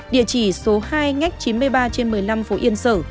địa chỉ số hai ngách chín mươi ba trên một mươi năm phố yên sở